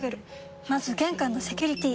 まず玄関のセキュリティ！